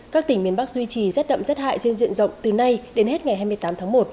các tỉnh miền bắc duy trì rét đậm rét hại trên diện rộng từ nay đến hết ngày hai mươi tám tháng một